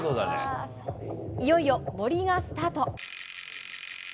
いよいよ森がスタート。